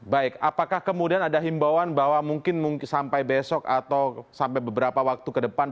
baik apakah kemudian ada himbauan bahwa mungkin sampai besok atau sampai beberapa waktu ke depan